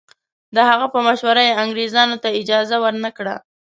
د هغه په مشوره یې انګریزانو ته اجازه ورنه کړه.